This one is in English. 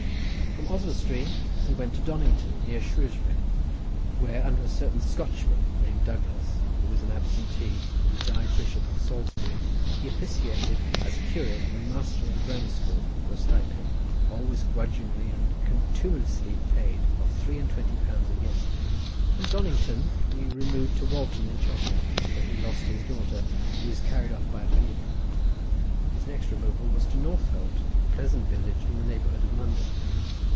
From Oswestry he went to Donnington, near Shrewsbury, where under a certain Scotchman named Douglas, who was an absentee, and who died Bishop of Salisbury, he officiated as curate and master of a grammar school for a stipend—always grudgingly and contumeliously paid—of three and twenty pounds a year. From Donnington he removed to Walton in Cheshire, where he lost his daughter, who was carried off by a fever. His next removal was to Northolt, a pleasant village in the neighbourhood of London.